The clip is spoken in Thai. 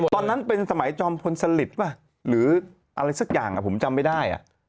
ตอนนั้นเป็นสมัยจอมพลสลิตป่ะหรืออะไรสักอย่างผมจำไม่ได้